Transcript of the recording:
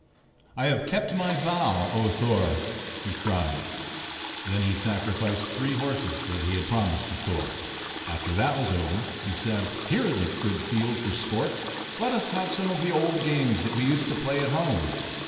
"I have kept my vow, O Thor!" he cried. Then he sacrificed three horses that he had promised to Thor. After that was over, he said: "Here is a good field for sport. Let us have some of the old games that we used to play at home.